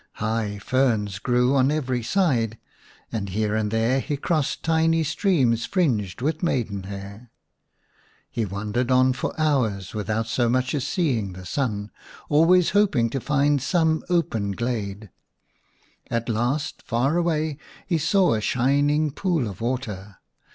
High ferns grew on every side, and here and there he crossed tiny streams fringed with maidenhair. He wandered on for hours without so much as seeing the sun, always hoping to find some open glade/ At last, far away, he saw a shining pool ofwater.